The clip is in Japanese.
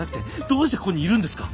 どうしてここにいるんですか？